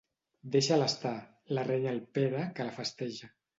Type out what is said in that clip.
Deixa'l estar —la renya el Pere, que la festeja.